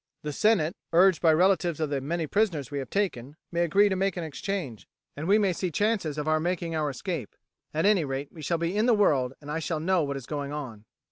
The senate, urged by the relatives of the many prisoners we have taken, may agree to make an exchange, and we may see chances of our making our escape. At any rate we shall be in the world and shall know what is going on."